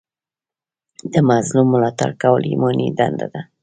د مظلوم ملاتړ کول ایماني دنده ده.